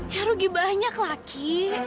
ya rugi banyak lagi